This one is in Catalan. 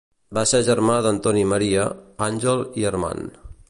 Va ser germà d'Antoni Maria, Àngel i Armand.